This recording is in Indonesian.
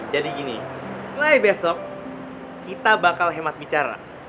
jadi gini mulai besok kita bakal hemat bicara